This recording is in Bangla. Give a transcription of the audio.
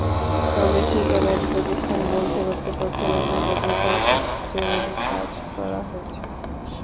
তবে ঠিকাদারি প্রতিষ্ঠান বলছে, কর্তৃপক্ষের অনুরোধে দরপত্রের চেয়েও অধিক কাজ করা হয়েছে।